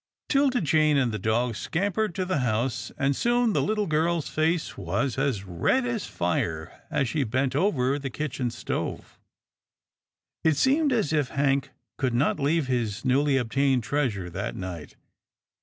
'Tilda Jane and the dogs scampered to the house, and soon the little girl's face was as red as fire, as she bent over the kitchen stove. It seemed as if Hank could not leave his newly obtained treasure that night.